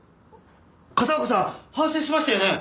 片岡さん反省しましたよね？